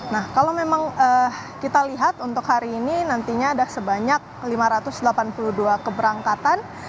nah kalau memang kita lihat untuk hari ini nantinya ada sebanyak lima ratus delapan puluh dua keberangkatan